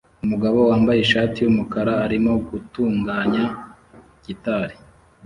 Umugabo wambaye ishati yumukara arimo gutunganya gitari ye